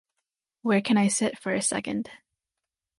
Where can I sit for a second?